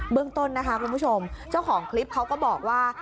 เรื่องต้นนะคะคุณผู้ชมเจ้าของคลิปเขาก็บอกว่า